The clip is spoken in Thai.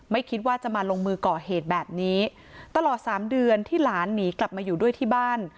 ไม่คิดว่าจะมาลงมือก่อเหตุแบบนี้ตลอดสามเดือนที่หลานหนีกลับมาอยู่ด้วยที่บ้าน